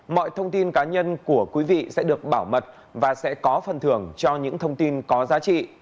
mọi thông tin cá nhân của quý vị sẽ được bảo mật và sẽ có phần thưởng cho những thông tin có giá trị